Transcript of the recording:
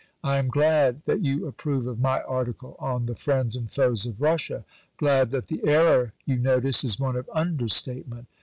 I am glad that you approve of my article on the Friends and Foes of Russia, glad that the error you notice is one of under statement.